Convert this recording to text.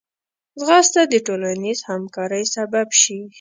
ځغاسته د ټولنیز همکارۍ سبب شي